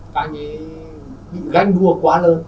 các anh ấy bị ganh đua quá lớn